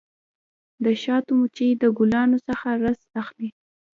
د شاتو مچۍ د ګلانو څخه رس اخلي.